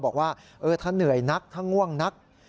บอกว่าถ้าเหนื่อยนักถ้าง่วงนัก